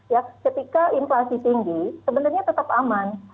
ya ketika inflasi tinggi sebenarnya tetap aman